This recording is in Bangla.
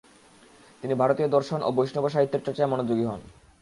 তিনি ভারতীয় দর্শন ও বৈষ্ণব ও সাহিত্যের চর্চায় মনোযোগী হন।